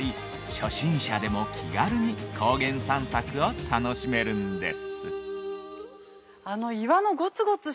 初心者でも、気軽に高原散策を楽しめるんです。